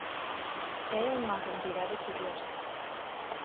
É unha cantidade curiosa.